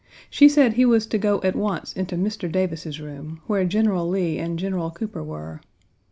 She said he was to go at once into Mr. Davis's room, where General Lee and General Cooper were.